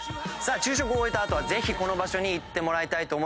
昼食を終えた後はぜひこの場所に行ってもらいたい。